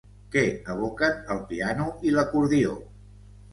Què evoquen el piano i l'acordió?